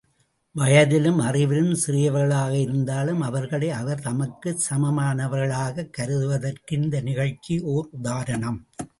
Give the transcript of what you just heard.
வயதிலும் அறிவிலும் சிறியவர்களாக இருந்தாலும் அவர்களை, அவர் தமக்கு சமமானவர்களாகக் கருதுவதற்கு இந்த நிகழ்ச்சி ஓர் உதாரணம்.